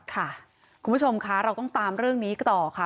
ค่ะคุณผู้ชมค่ะเราก็ตามเรื่องนี้ค่ะต่อค่ะ